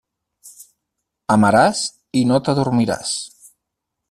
Amaràs i no t'adormiràs.